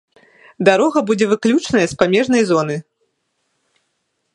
Дарога будзе выключаная з памежнай зоны.